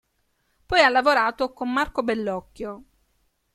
Poi ha lavorato con Marco Bellocchio.